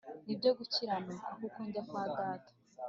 n'ibyo gukiranuka, kuko njya kwa Data